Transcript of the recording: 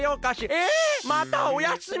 えっまたおやすみ！？